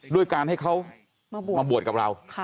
ด้วยการให้เขามาบวชกับเรา